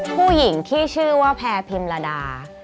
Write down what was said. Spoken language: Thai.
ผู้หญิงที่ชื่อว่าแพรพิมระดา